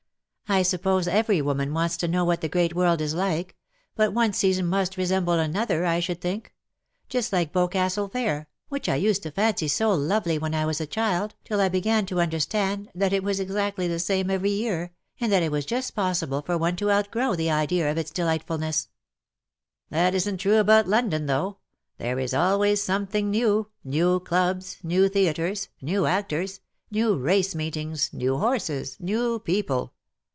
I suppose every woman wants to know what the great world is like — but 59 one season must resemble another,, I should think : just like Boscastle Fair^ which I used to fancy so lovely when I was a child;, till I began to under stand that it was exactly the same every year, and that it was just possible for one to outgrow the idea of its delightfulness/^ " That isn^t true about London though. There is always something new — new clubs, new theatres, new actors, new race meetings, new horses, new people.